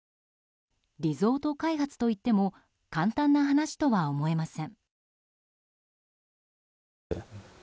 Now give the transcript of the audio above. リゾート開発といっても簡単な話とは思えません。